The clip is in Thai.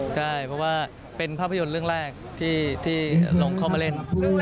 ใช่เพราะว่าเป็นภาพยนตร์เรื่องแรกที่ลงเข้ามาเล่น